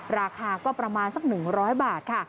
ราคาก็ประมาณสัก๑๐๐บาทค่ะ